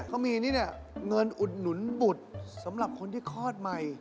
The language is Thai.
เขามีนี่แหละเงินอุดหนุนบุตรสำหรับคนที่คลอดใหม่